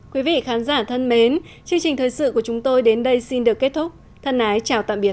quý vị khán giả thân mến chương trình thời sự của chúng tôi đến đây xin được kết thúc thân ái chào tạm biệt